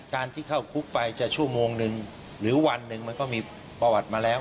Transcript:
การที่เข้าคุกไปจะชั่วโมงหนึ่งหรือวันหนึ่งมันก็มีประวัติมาแล้ว